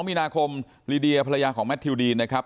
มีนาคมลีเดียภรรยาของแมททิวดีนนะครับ